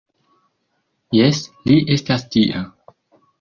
Jes, li estas tia.